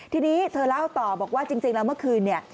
ทีนี้เธอเล่าต่อบอกว่าจริงแล้วเมื่อคืนเนี่ย